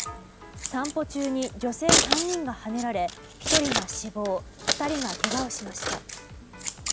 散歩中に女性３人がはねられ１人が死亡２人がけがをしました。